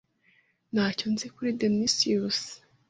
Ntacyo nzi kuri dinosaurs.